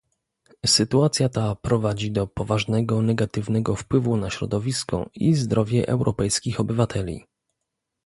Sytuacja ta prowadzi do poważnego negatywnego wpływu na środowisko i zdrowie europejskich obywateli